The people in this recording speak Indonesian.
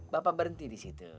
bapak berhenti di situ